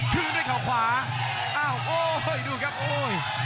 คืนด้วยเขาขวาอ้าวโอ้ยดูครับโอ้ย